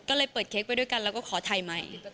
ก็เลยเปิดเค้กไปด้วยกันแล้วก็ขอถ่ายใหม่